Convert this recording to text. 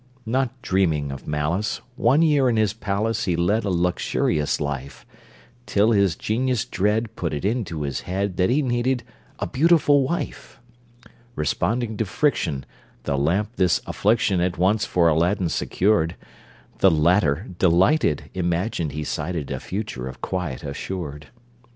Not dreaming of malice, One year in his palace He led a luxurious life, Till his genius dread Put it into his head That he needed a beautiful wife. Responding to friction, The lamp this affliction At once for Aladdin secured; The latter, delighted, Imagined he sighted A future of quiet assured.